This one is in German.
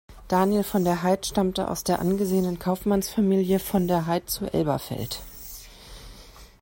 Daniel von der Heydt stammte aus der angesehenen Kaufmannsfamilie von der Heydt zu Elberfeld.